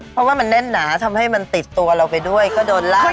เพราะว่ามันแน่นหนาทำให้มันติดตัวเราไปด้วยก็โดนลาก